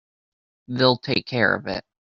They'll take care of it.